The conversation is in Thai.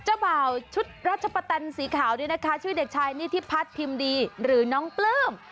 เจ้าบ่าวชุดรัชปะตันสีขาวด้วยนะคะชื่อเด็กชายนี่ที่พัดพิมดีหรือน้องปลื้ม